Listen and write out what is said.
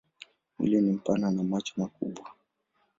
Mwili ni mpana na macho makubwa.